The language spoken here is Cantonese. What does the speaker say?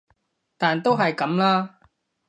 但都係噉啦